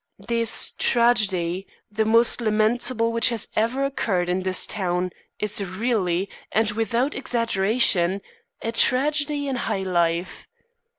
"This tragedy the most lamentable which has ever occurred in this town is really, and without exaggeration, a tragedy in high life.